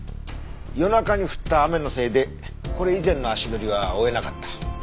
夜中に降った雨のせいでこれ以前の足取りは追えなかった。